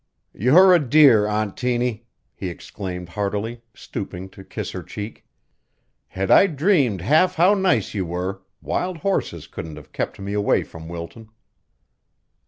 "You're a dear, Aunt Tiny," he exclaimed heartily, stooping to kiss her cheek. "Had I dreamed half how nice you were, wild horses couldn't have kept me away from Wilton."